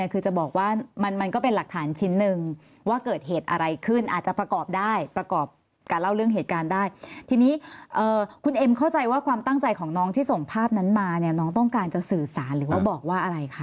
คือจะบอกว่ามันก็เป็นหลักฐานชิ้นหนึ่งว่าเกิดเหตุอะไรขึ้นอาจจะประกอบได้ประกอบการเล่าเรื่องเหตุการณ์ได้ทีนี้คุณเอ็มเข้าใจว่าความตั้งใจของน้องที่ส่งภาพนั้นมาเนี่ยน้องต้องการจะสื่อสารหรือว่าบอกว่าอะไรคะ